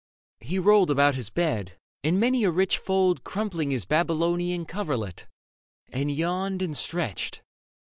He rolled About his bed, in many a rich fold Crumpling his Babylonian coverlet, And yawned and stretched.